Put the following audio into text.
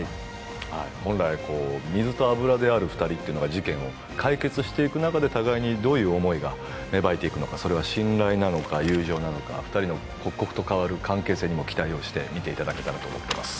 本来、水と油である２人が事件を解決していく中で互いにどういう思いが芽生えていくのか、それは信頼なのか友情なのか２人の刻々と変わる関係性にも期待して見ていただけたらと思います。